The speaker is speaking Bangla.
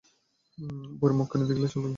বউয়ের মুখখানি দেখিলে চোখ জুড়াইয়া যায়।